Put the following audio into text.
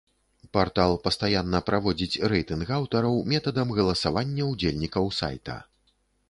Партал пастаянна праводзіць рэйтынг аўтараў метадам галасавання ўдзельнікаў сайта.